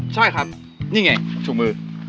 ใช่ครับนี่ไงชูมือ